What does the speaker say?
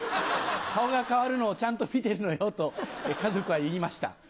顔が変わるのをちゃんと見ているのよと、家族は言いました。